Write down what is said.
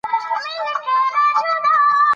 دوی به خپل مړي ښخوي.